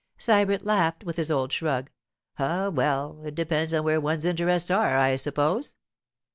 Sybert laughed, with his old shrug. 'Ah, well, it depends on where one's interests are, I suppose.